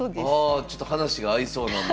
ちょっと話が合いそうなんで。